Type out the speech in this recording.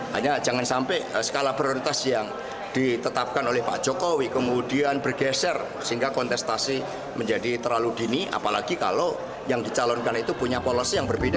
hanya jangan sampai skala prioritas yang ditetapkan oleh pak jokowi kemudian bergeser sehingga kontestasi menjadi terlalu dini apalagi kalau yang dicalonkan itu punya polosi yang berbeda